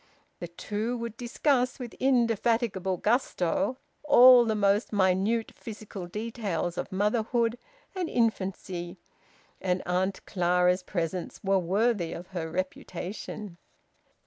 The two would discuss with indefatigable gusto all the most minute physical details of motherhood and infancy: and Auntie Clara's presents were worthy of her reputation.